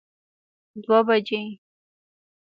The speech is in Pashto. دوه بجی